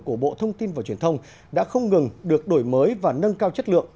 của bộ thông tin và truyền thông đã không ngừng được đổi mới và nâng cao chất lượng